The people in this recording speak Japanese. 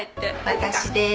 私でーす。